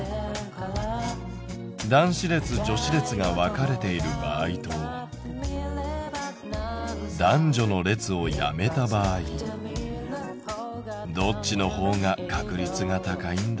男子列・女子列が分かれている場合と男女の列をやめた場合どっちの方が確率が高いんだろう？